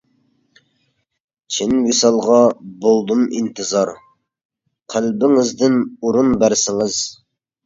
چىن ۋىسالغا بولدۇم ئىنتىزار، قەلبىڭىزدىن ئورۇن بەرسىڭىز.